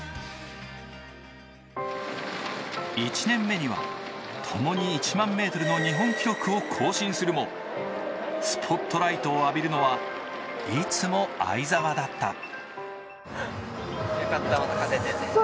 １年目にはともに１００００ｍの日本記録を更新するもスポットライトを浴びるのはいつも相澤だった。